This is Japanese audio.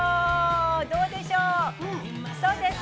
どうでしょう？